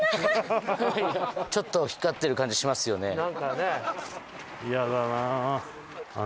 ちょっと光ってる感じしますよね。